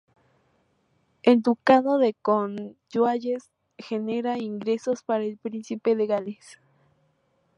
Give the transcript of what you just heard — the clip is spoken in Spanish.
El Ducado de Cornualles genera ingresos para el Príncipe de Gales.